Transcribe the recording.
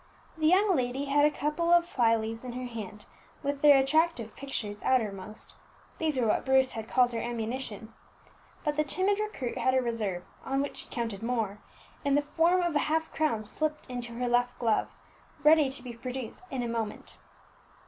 The young lady had a couple of fly leaves in her hand, with their attractive pictures outermost, these were what Bruce had called her ammunition; but the timid recruit had a reserve, on which she counted more, in the form of a half crown slipped into her left glove, ready to be produced in a moment.